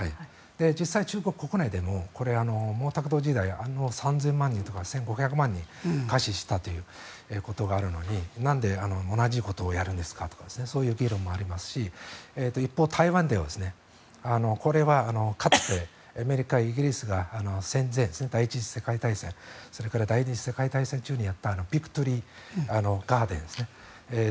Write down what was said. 実際、中国国内でも毛沢東時代３０００万人とか１５００万人餓死したということがあるのになんで同じことをやるんですかとかそういう議論もありますし一方、台湾でこれはかつてアメリカイギリスが戦前、第１次世界大戦それから第２次世界大戦中にやったビクトリーガーデンですね。